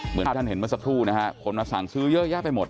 เหมือนท่านเห็นมาสักครู่นะค่ะ